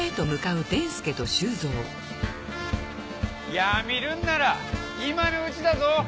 やめるんなら今のうちだぞ。